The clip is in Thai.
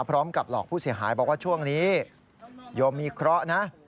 พร้อมกับหลอกผู้เสียหายบอกว่าช่วงนี้โยมมีเคราะห์นะ